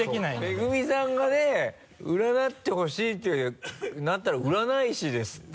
恵さんがね占ってほしいってなったら占い師ですって。